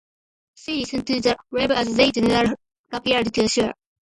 She listened to the waves as they gently lapped the shore.